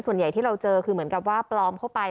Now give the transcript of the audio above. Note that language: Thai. ส่วนใหญ่ที่เราเจอคือเหมือนกับว่าปลอมเข้าไป